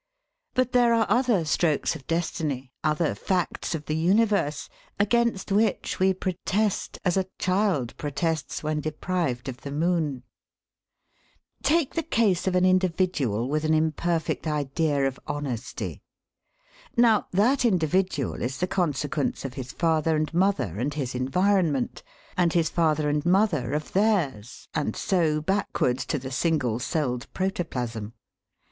But there are other strokes of destiny, other facts of the universe, against which we protest as a child protests when deprived of the moon. Take the case of an individual with an imperfect idea of honesty. Now, that individual is the consequence of his father and mother and his environment, and his father and mother of theirs, and so backwards to the single celled protoplasm.